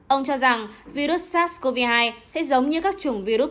ông cho rằng virus sars cov hai sẽ giống như các chủng virus